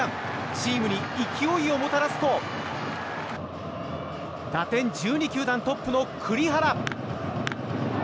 チームに勢いをもたらすと打点１２球団トップの栗原。